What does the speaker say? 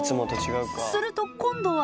すると今度は。